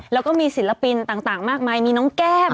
แล้วก็มีศิลปินต่างมากมายมีน้องแก้ม